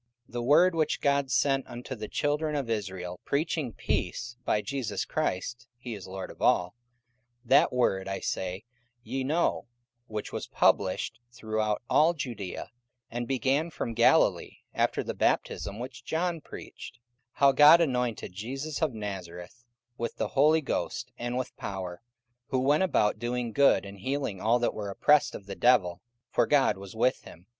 44:010:036 The word which God sent unto the children of Israel, preaching peace by Jesus Christ: (he is Lord of all:) 44:010:037 That word, I say, ye know, which was published throughout all Judaea, and began from Galilee, after the baptism which John preached; 44:010:038 How God anointed Jesus of Nazareth with the Holy Ghost and with power: who went about doing good, and healing all that were oppressed of the devil; for God was with him.